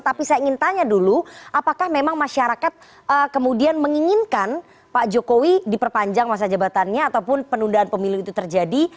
tapi saya ingin tanya dulu apakah memang masyarakat kemudian menginginkan pak jokowi diperpanjang masa jabatannya ataupun penundaan pemilu itu terjadi